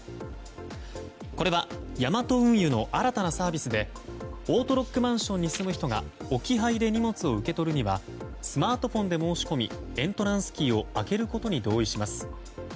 これはヤマト運輸の新たなサービスでオートロックマンションに住む人が置き配で荷物を受け取るにはスマートフォンで申し込みエントランスキーを開けることに同意します。